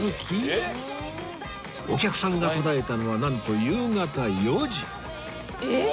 お客さんが途絶えたのはなんと夕方４時えっ！